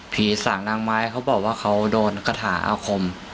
ผีสางนางไม้เขาบอกว่าเขาโดนคาถาอาคม